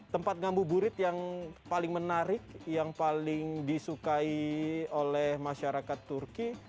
tempat ngabuburit yang paling menarik yang paling disukai oleh masyarakat turki